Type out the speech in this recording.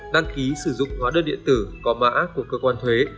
đăng ký sử dụng hóa đơn điện tử có mã của cơ quan thuế